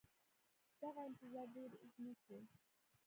دغه انتظار ډېر اوږد نه شو